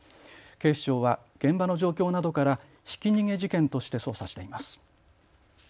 警視庁は現場の状況などからひき逃げ事件として捜査しています。